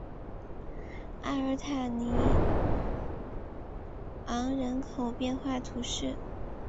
阿尔塔尼昂人口变化图示